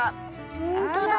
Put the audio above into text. ほんとだ。